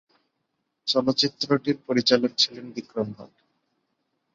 চলচ্চিত্রটির পরিচালক ছিলেন বিক্রম ভাট।